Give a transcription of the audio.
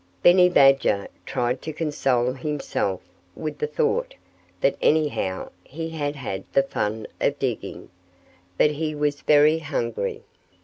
Benny Badger tried to console himself with the thought that anyhow he had had the fun of digging. But he was very hungry.